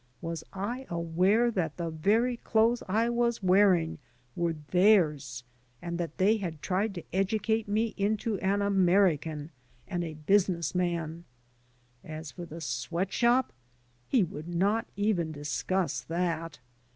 Was I aware that the very dothes I was wearing were theirs^ and that they had tried to educate me into an American and a business man? As for the sweat shop, he would not even discuss that.